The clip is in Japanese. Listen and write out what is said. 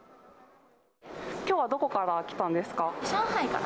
きょうはどこから来たんです上海から。